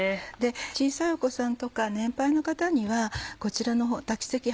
小さいお子さんとか年配の方にはこちらの炊き赤飯